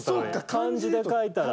漢字で書いたら。